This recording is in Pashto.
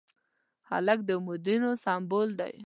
هلک د امیدونو سمبول دی.